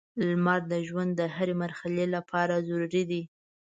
• لمر د ژوند د هرې مرحلې لپاره ضروري دی.